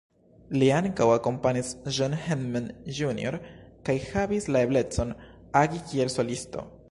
Li ankaŭ akompanis John Hammond Jr kaj havis la eblecon, agi kiel solisto.